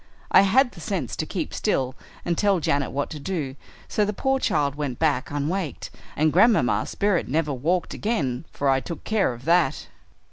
I had the sense to keep still and tell Janet what to do, so the poor child went back unwaked, and Grandmamma's spirit never walked again for I took care of that."